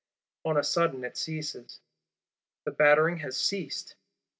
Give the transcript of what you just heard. —On a sudden it ceases; the battering has ceased!